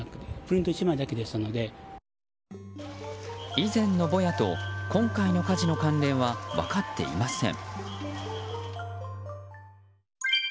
以前のボヤと、今回の火事の関連は分かっていません。